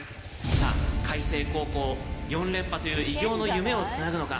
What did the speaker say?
さぁ開成高校４連覇という偉業の夢をつなぐのか？